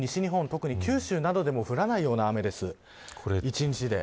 特に九州などでも降らないような雨です、１日で。